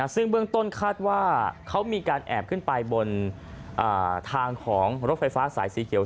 ซึ่งเบื้องต้นคาดว่าเขามีการแอบขึ้นไปบนทางของรถไฟฟ้าสายสีเขียว